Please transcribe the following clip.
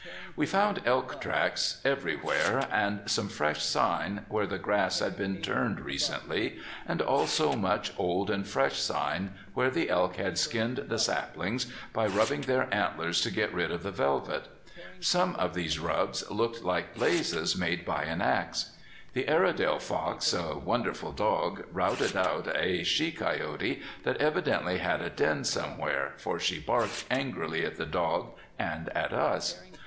We found elk tracks everywhere and some fresh sign, where the grass had been turned recently, and also much old and fresh sign where the elk had skinned the saplings by rubbing their antlers to get rid of the velvet. Some of these rubs looked like blazes made by an axe. The Airedale Fox, a wonderful dog, routed out a she coyote that evidently had a den somewhere, for she barked angrily at the dog and at us.